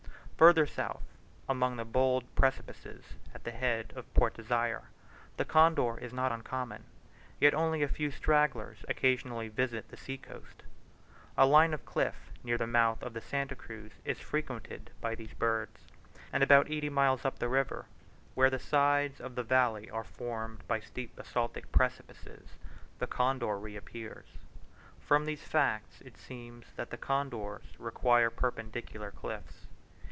Further south, among the bold precipices at the head of Port Desire, the condor is not uncommon; yet only a few stragglers occasionally visit the sea coast. A line of cliff near the mouth of the Santa Cruz is frequented by these birds, and about eighty miles up the river, where the sides of the valley are formed by steep basaltic precipices, the condor reappears. From these facts it seems that the condors require perpendicular cliffs.